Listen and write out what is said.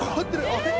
あれ？